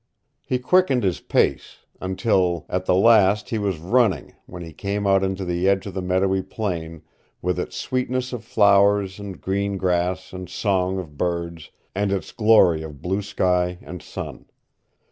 He quickened his pace, until at the last he was running when he came out into the edge of the meadowy plain, with its sweetness of flowers and green grass and song of birds, and its glory of blue sky and sun.